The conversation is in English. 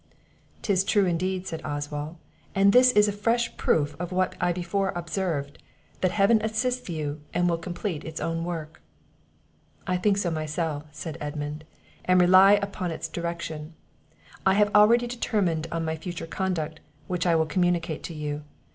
"'Tis true indeed," said Oswald; "and this is a fresh proof of what I before observed, that Heaven assists you, and will complete its own work." "I think so myself," said Edmund, "and rely upon its direction. I have already determined on my future conduct, which I will communicate to you.